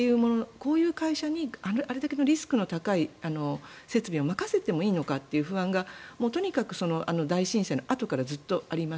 こういう会社にあれだけのリスクの高い設備を任せてもいいのかという不安がとにかく大震災のあとからずっとあります。